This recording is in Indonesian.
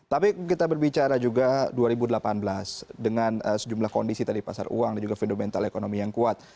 tapi kita berbicara juga dua ribu delapan belas dengan sejumlah kondisi tadi pasar uang dan juga fundamental ekonomi yang kuat